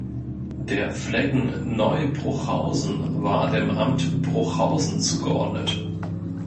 Der Flecken Neubruchhausen war dem Amt Bruchhausen zugeordnet.